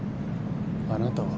あなたは？